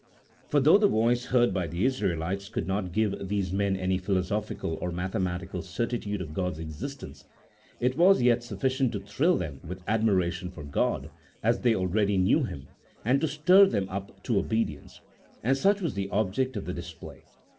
For, though the voice heard by the Israelites could not give CHAP. XIV.] DEFINITIONS OF FAITH. 189 those men any philosophical or mathematical certitude of God's existence, it was yet sufficient to thrill them with admiration for God, as they already knew Him, and to stir them up to obedience : and such was the object of the dis play.